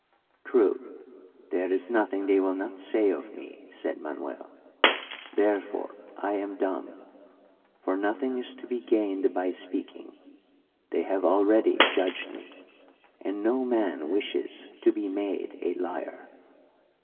"'True, there is nothing they will not say of me,' said Manuel; 'therefore I am dumb, for nothing is to be gained by speaking. They have already judged me, and no man wishes to be made a liar.'